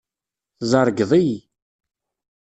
Tzerrgeḍ-iyi.